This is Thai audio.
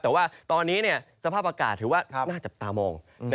แต่ว่าตอนนี้สภาพอากาศถือว่าน่าจับตามอง